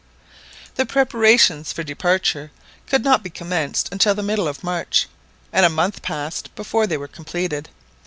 The preparations for departure could not be commenced until the middle of March, and a month passed before they were completed.